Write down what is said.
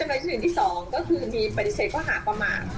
เรียกว่าคือจะมีปฏิเสธข้อหาประมาณ